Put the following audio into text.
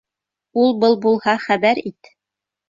Ул-был булһа, хәбәр ит.